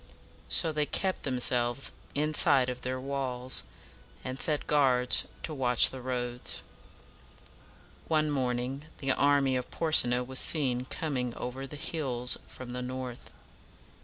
So they kept themselves inside of their walls, and set guards to watch the roads. One morning the army of Por se na was seen coming over the hills from the north.